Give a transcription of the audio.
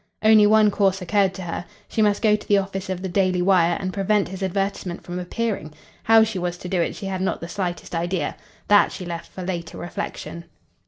Only one course occurred to her. She must go to the office of the Daily Wire and prevent his advertisement from appearing. How she was to do it she had not the slightest idea. That she left for later reflection.